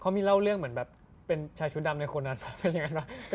เขามีเล่าเรื่องเหมือนแบบเป็นชายชุดดำในคนนั้นเป็นอย่างนั้นป่ะ